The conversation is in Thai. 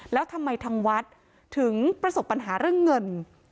แล้วทำไมทางวัดถึงประสบปัญหาเรื่องเงิน